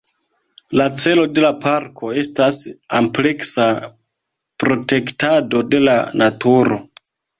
La celo de la parko estas ampleksa protektado de la naturo.